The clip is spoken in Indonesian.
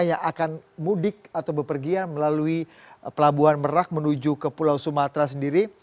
yang akan mudik atau bepergian melalui pelabuhan merak menuju ke pulau sumatera sendiri